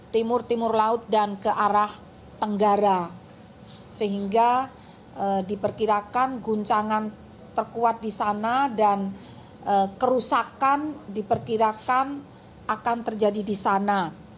timur timur laut dan ke arah tenggara sehingga diperkirakan guncangan terkuat disana dan kerusakan diperkirakan akan terjadi disana